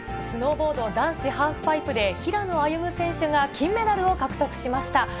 スノーボード男子ハーフパイプで、平野歩夢選手が金メダルを獲得しました。